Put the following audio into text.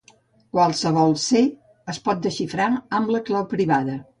Qualsevol "C" es pot desxifrar amb la clau privada.